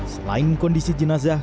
selain kondisi jenazah